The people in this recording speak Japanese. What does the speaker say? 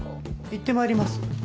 いってまいります。